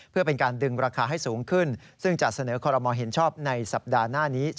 เพื่อเป็นการดึงราคาให้สูงขึ้นซึ่งจะเสนอคอรมอลเห็นชอบในสัปดาห์หน้านี้